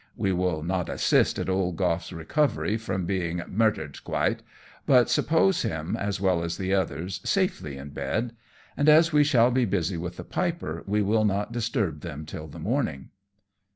We will not assist at old Goff's recovery from being "murthered quite," but suppose him, as well as the others, safely in bed; and as we shall be busy with the Piper we will not disturb them till the morning.